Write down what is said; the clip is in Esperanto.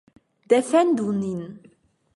Defendu nin!